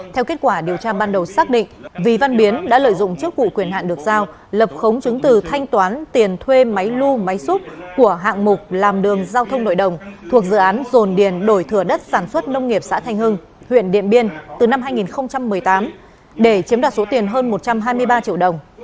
theo kết quả điều tra ban đầu xác định vi văn biến đã lợi dụng chức vụ quyền hạn được giao lập khống chứng từ thanh toán tiền thuê máy lưu máy xúc của hạng mục làm đường giao thông nội đồng thuộc dự án dồn điền đổi thừa đất sản xuất nông nghiệp xã thanh hưng huyện điện biên từ năm hai nghìn một mươi tám để chiếm đoạt số tiền hơn một trăm hai mươi ba triệu đồng